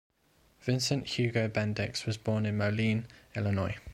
Vincent Hugo Bendix was born in Moline, Illinois.